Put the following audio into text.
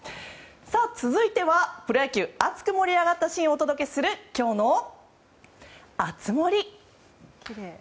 さあ、続いてはプロ野球熱く盛り上がったシーンをお届けする今日の熱盛！